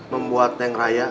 membuat neng raya